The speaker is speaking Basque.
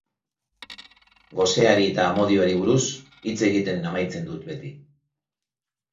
Goseari eta amodioari buruz hitz egiten amaitzen dut beti.